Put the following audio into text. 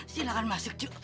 silakan masuk cuk